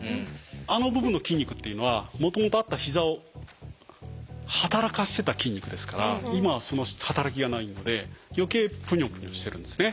あの部分の筋肉っていうのはもともとあった膝を働かしてた筋肉ですから今はその働きがないので余計プニョプニョしてるんですね。